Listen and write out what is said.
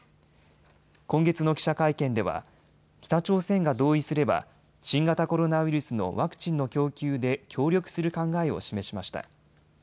今月の記者会見では北朝鮮が同意すれば新型コロナウイルスのワクチンの供給で協力する考えを示しました。